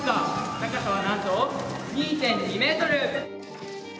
高さはなんと２．２ｍ。